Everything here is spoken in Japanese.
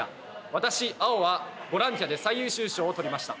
私アオはボランティアで最優秀賞を取りました。